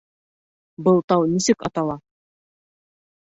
Был тау нисек атала?